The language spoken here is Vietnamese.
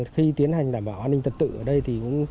khi tiến hành đảm bảo an ninh tật tự